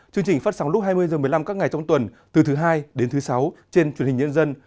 chương trình phát sóng lúc hai mươi h một mươi năm các ngày trong tuần từ thứ hai đến thứ sáu trên truyền hình nhân dân